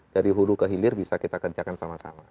dari hulu ke hilir bisa kita kerjakan sama sama